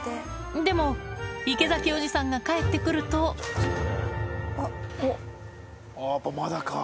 でも池崎おじさんが帰って来るとやっぱまだか。